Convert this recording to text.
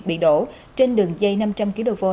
bị đổ trên đường dây năm trăm linh kv